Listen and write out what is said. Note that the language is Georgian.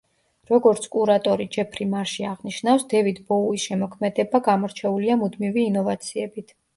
როგორც კურატორი ჯეფრი მარში აღნიშნავს, დევიდ ბოუის შემოქმედება გამორჩეულია მუდმივი ინოვაციებით.